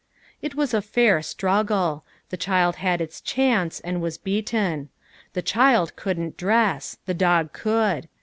It was a fair struggle. The child had its chance and was beaten. The child couldn't dress: the dog could.